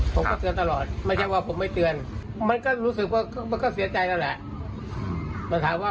ผมก็เตือนตลอดไม่ใช่ว่าผมไม่เตือนมันก็รู้สึกว่ามันก็เสียใจแล้วแหละ